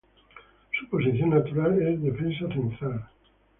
Su posición natural es defensa central.